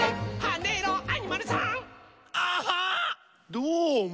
どうも。